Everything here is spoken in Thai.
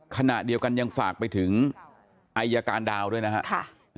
ขณะเดียวกันยังฝากไปถึงอายการดาวด้วยนะครับ